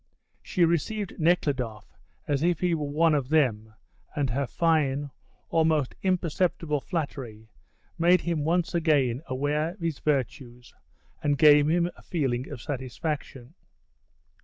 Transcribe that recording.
She received Nekhludoff as if he were one of them, and her fine, almost imperceptible flattery made him once again aware of his virtues and gave him a feeling of satisfaction.